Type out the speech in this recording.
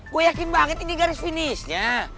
gue yakin banget ini garis finishnya